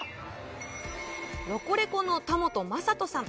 ロコレコの田元正人さん。